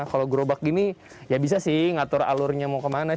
kalau gerobak gini ya bisa sih ngatur alurnya mau kemana